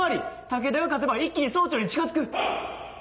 武田が勝てば一気に総長に近づく！